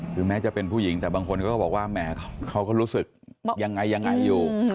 คือแม้จะเป็นผู้หญิงแต่บางคนก็บอกว่าแหมเขาก็รู้สึกยังไงยังไงอยู่